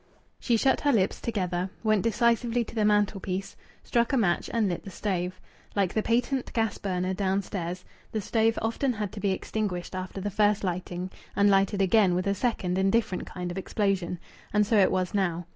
She shut her lips together, went decisively to the mantelpiece, struck a match, and lit the stove. Like the patent gas burner downstairs, the stove often had to be extinguished after the first lighting and lighted again with a second and different kind of explosion. And so it was now.